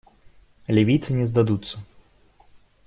Ливийцы не сдадутся.